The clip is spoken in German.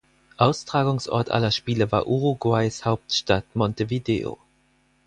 Austragungsort aller Spiele war Uruguays Hauptstadt Montevideo.